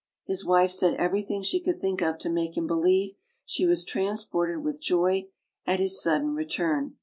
His wife said everything she could think of to make him believe she was trans ported with joy at his sudden return.